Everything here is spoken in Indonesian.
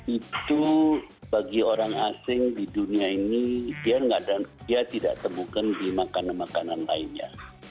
itu bagi orang asing di dunia ini dia tidak temukan di makanan makanan lainnya